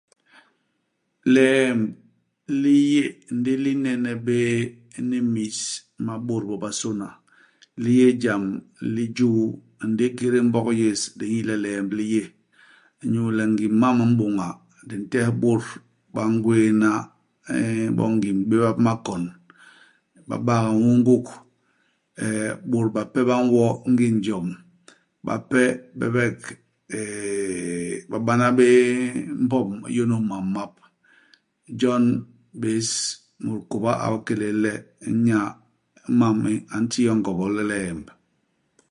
Liemb li yé ndi li n'nene bé ni mis ma bôt bobasôna ; li yé jam li juu, ndi i kidik i Mbog yés, di nyi le liemb li yé, inyu le ngim i mam i mbôña ; di ntehe bôt ba ngwééna nn bo ngim i bibéba bi makon, ba bak ñunguk. Eeh bôt bape ba ñwo ngi njom ; bape bebek, eeh ba bana bé mbom iyônôs mam map. Jon bés, mut kôba a bikélél le, inya i mam i, a nti yo ngobol le liemb.